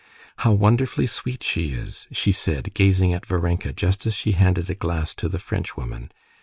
"How wonderfully sweet she is!" she said, gazing at Varenka just as she handed a glass to the Frenchwoman.